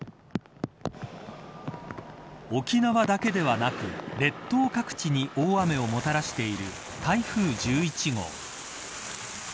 沖縄だけではなく、列島各地に大雨をもたらしている台風１１号。